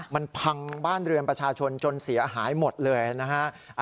มันพังบ้านเรือนประชาชนจนเสียหายหมดเลยนะฮะ